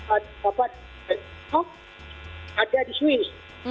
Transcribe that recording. ada di swiss